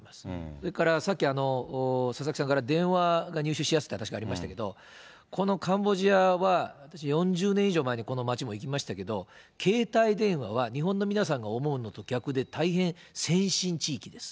それからさっき、佐々木さんから電話が入手しやすいという話ありましたけど、このカンボジアは、私、４０年以上前にこの街も行きましたけれども、携帯電話は日本の皆さんが思うのと逆で、大変、先進地域です。